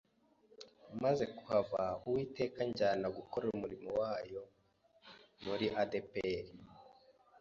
maze kuhava Uwiteka anjyana gukorera umurimo wayo muri ADEPR,